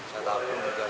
sangat surprise ya